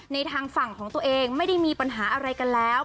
ทางฝั่งของตัวเองไม่ได้มีปัญหาอะไรกันแล้ว